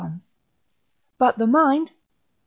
But the mind (III.